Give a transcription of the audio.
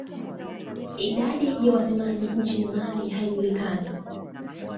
Idadi ya wasemaji nchini Mali haijulikani.